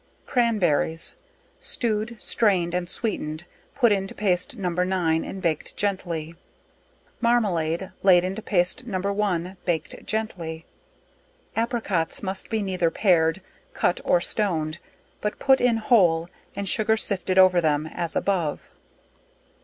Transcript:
Cranberries. Stewed, strained and sweetened, put into paste No. 9, and baked gently. Marmalade, laid into paste No. 1, baked gently. Apricots, must be neither pared, cut or stoned, but put in whole, and sugar sifted over them, as above.